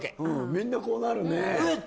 みんなこうなるねえっ？